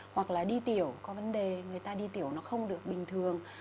hoặc là đi tiểu có vấn đề người ta đi tiểu nó không được bình thường